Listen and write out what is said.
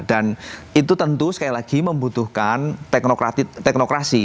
dan itu tentu sekali lagi membutuhkan teknokrasi